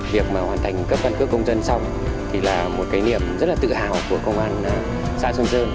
việc mà hoàn thành cấp căn cước công dân xong thì là một cái niềm rất là tự hào của công an xã xuân sơn